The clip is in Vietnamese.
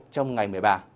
trong ngày một mươi ba